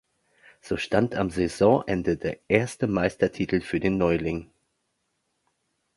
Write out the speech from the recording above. So stand am Saisonende der erste Meistertitel für den Neuling.